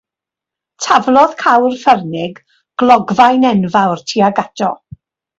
Taflodd cawr ffyrnig glogfaen enfawr tuag ato.